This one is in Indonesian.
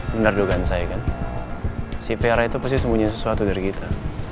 bener dugaan saya kan si vera itu pasti sembunyi sesuatu dari kita